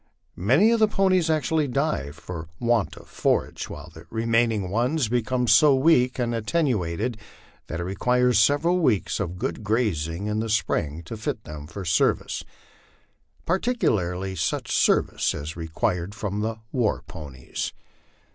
Many of the ponies actually die from want of forage, while the remaining ones be come so weak and attenuated that it requires several weeks of good grazing in the spring to fit them for service particularly such service as is required from the war ponies.